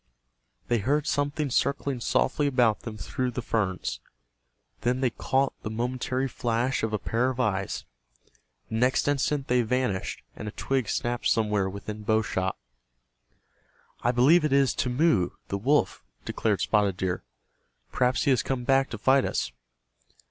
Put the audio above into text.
They heard something circling softly about them through the ferns. Then they caught the momentary flash of a pair of eyes. The next instant they vanished, and a twig snapped somewhere within bow shot. "I believe it is Timmeu, the wolf," declared Spotted Deer. "Perhaps he has come back to fight us."